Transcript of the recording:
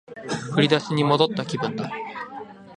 振り出しに戻った気分だ